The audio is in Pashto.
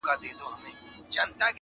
ښايستو نجونو به گرځول جامونه!.